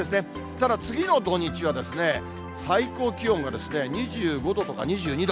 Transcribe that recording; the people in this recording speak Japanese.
ただ次の土日は、最高気温が２５度とか２２度。